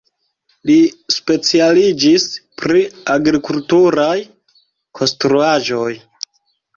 Li specialiĝis pri agrikulturaj konstruaĵoj.